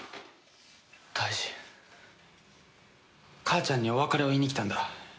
母ちゃんにお別れを言いに来たんだ。